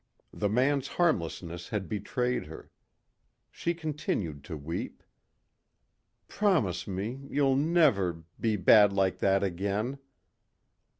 The man's harmlessness had betrayed her. She continued to weep, "Promise me ... you'll never ... be bad like that again...."